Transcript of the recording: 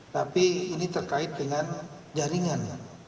tapi ini terkait dengan jaringan